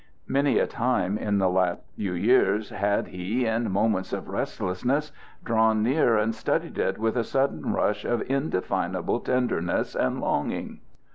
Many a time in the last few years had he, in moments of restlessness, drawn near and studied it with a sudden rush of indefinable tenderness and longing.